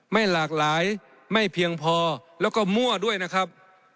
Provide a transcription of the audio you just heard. ไม่หลากหลายไม่เพียงพอแล้วก็มั่วด้วยนะครับ